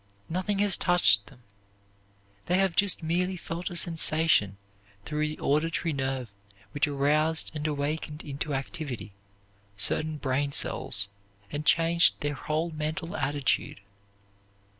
Nothing has touched them; they have just merely felt a sensation through the auditory nerve which aroused and awakened into activity certain brain cells and changed their whole mental attitude.